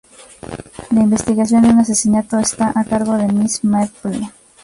La investigación de un asesinato está a cargo de Miss Marple.